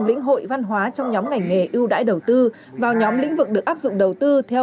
lĩnh hội văn hóa trong nhóm ngành nghề ưu đãi đầu tư vào nhóm lĩnh vực được áp dụng đầu tư theo